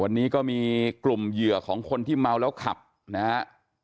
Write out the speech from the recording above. วันนี้ก็มีกลุ่มเหยื่อของคนที่เมาแล้วขับนะฮะ